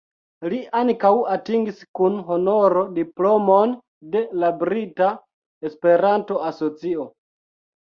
Li ankaŭ atingis kun honoro diplomon de la Brita Esperanto-Asocio.